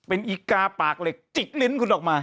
เป็นอีกาปากเหล็กจิกลิ้นคุณออกมา